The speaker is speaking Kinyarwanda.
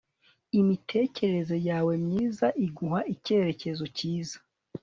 imitekerereze yawe myiza iguha icyerekezo cyiza